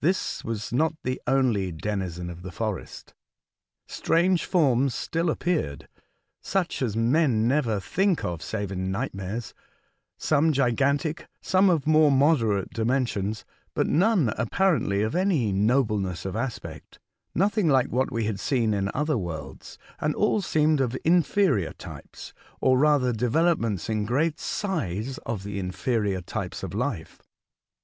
This was not the only denizen of the forest. Strange forms still appeared, such as men never think of save in nightmares : some gigantic, some of more moderate dimensions, but none apparently of any nobleness of aspect ; nothing like what we had seen in other worlds, and all seemed of inferior types, or rather developments in great size of the inferior types of life.